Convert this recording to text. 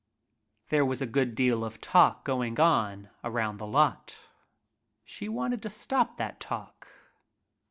There was a good deal of talk going on around the "lot." She wanted to stop that talk.